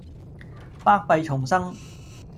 百弊叢生